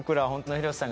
廣瀬さん！